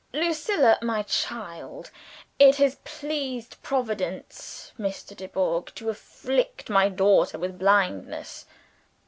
Lucilla, my child! (It has pleased Providence, Mr. Dubourg, to afflict my daughter with blindness.